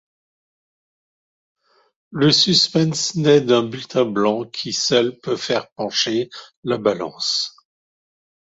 Le suspens naît d'un bulletin blanc qui, seul, peut faire pencher la balance.